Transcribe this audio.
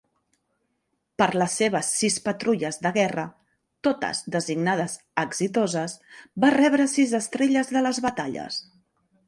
Per les seves sis patrulles de guerra, totes designades "exitoses", va rebre sis estrelles de les batalles.